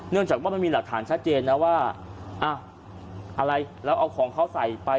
จากว่ามันมีหลักฐานชัดเจนนะว่าอ้าวอะไรแล้วเอาของเขาใส่ไป